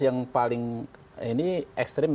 yang paling ini ekstrim